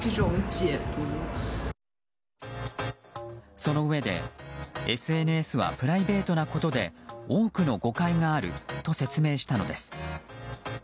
そのうえでＳＮＳはプライベートなことで多くの誤解があると説明したのです。